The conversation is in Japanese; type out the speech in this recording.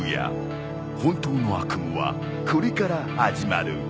本当の悪夢はこれから始まる。